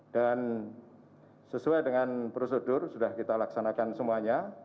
dan sesuai dengan prosedur sudah kita laksanakan semuanya